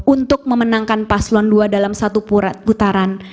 untuk memenangkan paslon dua dalam satu putaran